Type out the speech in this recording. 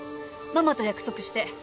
ママと約束して。